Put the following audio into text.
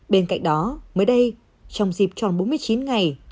bên cạnh đó mới đây trong dịp tròn bốn mươi chín ngày